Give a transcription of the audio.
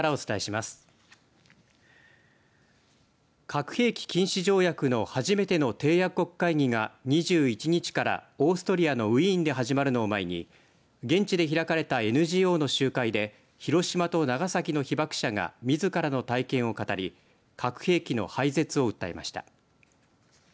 核兵器禁止条約の初めての締約国会議が２１日からオーストリアのウィーンで始まるのを前に現地で開かれたＮＧＯの集会で広島と長崎の被爆者がみずからの体験を語り核兵器の廃絶を訴えました。